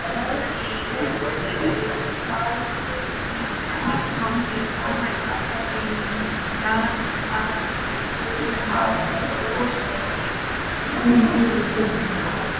Armani reportedly became estranged from his family after being branded an apostate.